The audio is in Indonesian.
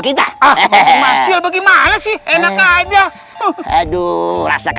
coba pemacil bagi white enak aja